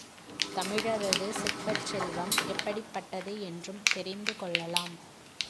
தமிழரது சிற்பச் செல்வம் எப்படிப்பட்டது என்றும் தெரிந்து கொள்ளலாம்.